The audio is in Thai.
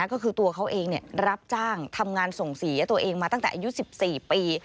ก็คือตัวเขาเองรับจ้างทำงานส่งเสียตัวเองมาตั้งแต่อายุ๑๔ปี